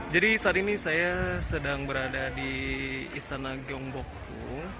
jadi saat ini saya sedang berada di istana gyeongbokgung